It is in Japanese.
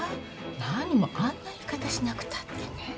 何もあんな言い方しなくたってね。